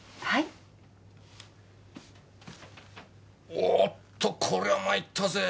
おおっとこりゃ参ったぜ。